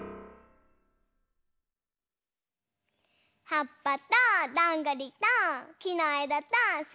はっぱとどんぐりときのえだとすすき！